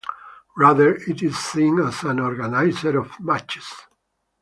Rather it is seen as an organiser of matches.